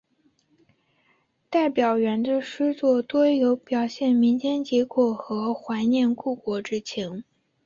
戴表元的诗作多有表现民间疾苦和怀念故国之情。